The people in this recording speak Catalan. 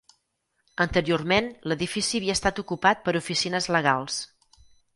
Anteriorment, l'edifici havia estat ocupat per oficines legals.